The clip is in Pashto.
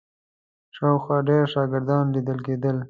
شاوخوا ډېر شاګردان لیدل کېدل.